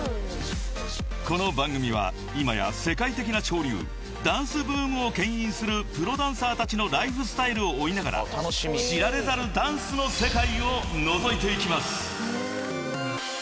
［この番組は今や世界的な潮流ダンスブームをけん引するプロダンサーたちのライフスタイルを追いながら知られざるダンスの世界をのぞいていきます］